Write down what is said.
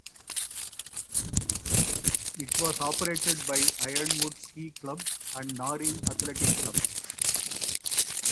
It was operated by Ironwood Ski Club and Norrie Athletic Club.